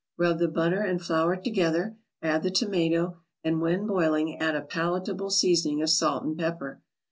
Rub the butter and flour together, add the tomato, and when boiling add a palatable seasoning of salt and pepper.